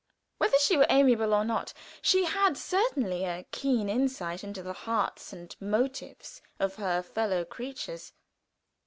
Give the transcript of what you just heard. Whether she were amiable or not, she had certainly a keen insight into the hearts and motives of her fellow creatures.